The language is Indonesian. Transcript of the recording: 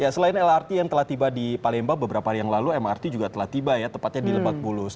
selain lrt yang telah tiba di palembang beberapa hari yang lalu mrt juga telah tiba ya tepatnya di lebak bulus